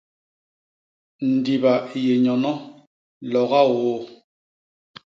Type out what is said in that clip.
Ndiba i yé nyono, loga ôô!